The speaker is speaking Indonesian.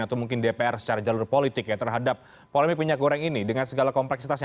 atau mungkin dpr secara jalur politik ya terhadap polemik minyak goreng ini dengan segala kompleksitasnya